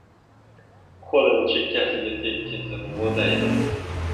Qo‘lini chekkasiga tekkizib g‘o‘daydi.